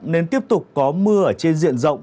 nên tiếp tục có mưa ở trên diện rộng